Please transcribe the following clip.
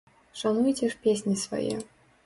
Шануйце ж песні свае.